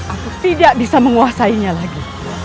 aku tidak bisa menguasainya lagi